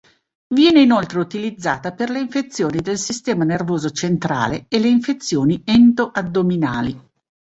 Viene inoltre utilizzata per le infezioni del sistema nervoso centrale e le infezioni endo-addominali.